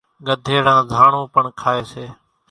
ڳڌيڙان ڌاڻون پڻ کائيَ سي۔